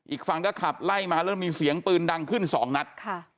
อีกฝั่งก็ขับไล่มาแล้วมีเสียงปืนดังขึ้นสองนัด